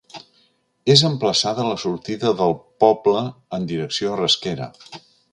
És emplaçada a la sortida del poble en direcció a Rasquera.